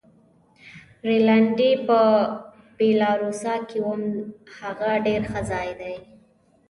رینالډي: په ویلا روسا کې وم، هغه ډېر ښه ځای دی.